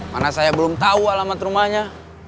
mana saya belum tahu alamat rumahnya